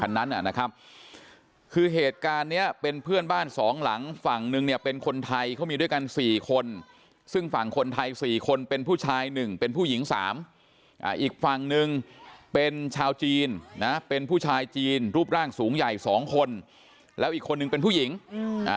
นั้นอ่ะนะครับคือเหตุการณ์เนี้ยเป็นเพื่อนบ้านสองหลังฝั่งนึงเนี่ยเป็นคนไทยเขามีด้วยกันสี่คนซึ่งฝั่งคนไทยสี่คนเป็นผู้ชายหนึ่งเป็นผู้หญิงสามอ่าอีกฝั่งหนึ่งเป็นชาวจีนนะเป็นผู้ชายจีนรูปร่างสูงใหญ่สองคนแล้วอีกคนนึงเป็นผู้หญิงอืมอ่า